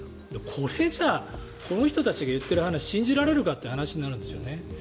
これじゃこの人たちが言っている話信じられるかっていう話なんですよね。